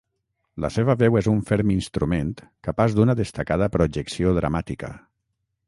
La seva veu és un ferm instrument capaç d'una destacada projecció dramàtica.